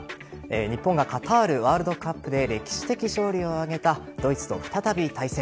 日本がカタールワールドカップで歴史的勝利を挙げたドイツと再び対戦。